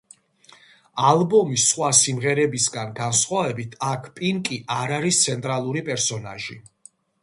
ალბომის სხვა სიმღერებისგან განსხვავებით, აქ პინკი არ არის ცენტრალური პერსონაჟი.